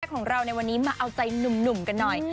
ของเราในวันนี้มาเอาใจหนุ่มกันหน่อย